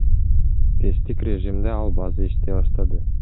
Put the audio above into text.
Тесттик режимде ал база иштей баштады.